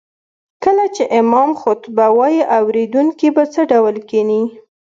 کله چې امام خطبه وايي اوريدونکي به څه ډول کيني